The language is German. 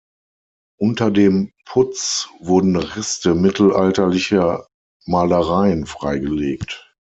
Unter dem Putz wurden Reste mittelalterlicher Malereien freigelegt.